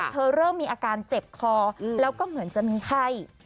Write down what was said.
เริ่มมีอาการเจ็บคอแล้วก็เหมือนจะมีไข้